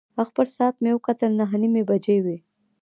خپل ساعت مې وکتل، نهه نیمې بجې وې.